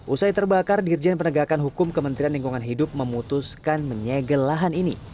usai terbakar dirjen penegakan hukum kementerian lingkungan hidup memutuskan menyegel lahan ini